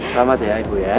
selamat ya ibu ya